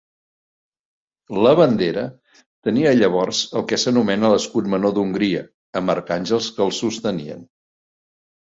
La bandera tenia llavors el que s'anomena l'escut menor d'Hongria, amb arcàngels que el sostenien.